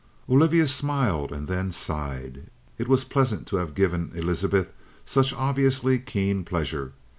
Olivia smiled and then she sighed. It was pleasant to have given Elizabeth such obviously keen pleasure.